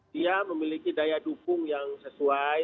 dia memiliki daya dukung yang sesuai